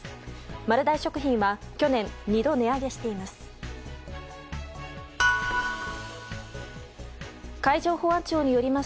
丸大食品は去年２度値上げしています。